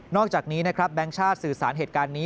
อกจากนี้นะครับแบงค์ชาติสื่อสารเหตุการณ์นี้